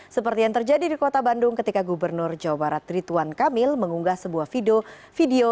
seperti yang terjadi di kota bandung ketika gubernur jawa barat rituan kamil mengunggah sebuah video